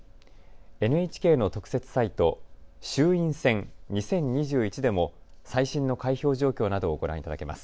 ＮＨＫの特設サイト、衆院選２０２１でも最新の開票状況などをご覧いただけます。